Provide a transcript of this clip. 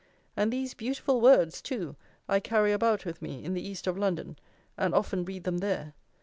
and these beautiful words, too, I carry about with me in the East of London, and often read them there.